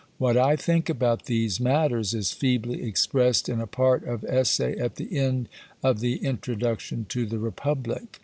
What I think about these matters is feebly expressed in a part of Essay at the end of the introduction to the Republic.